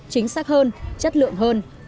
chính xác hơn chất lượng hơn